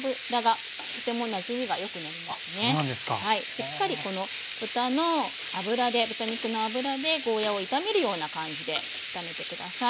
しっかりこの豚の脂で豚肉の脂でゴーヤーを炒めるような感じで炒めて下さい。